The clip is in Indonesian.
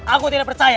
aku tidak percaya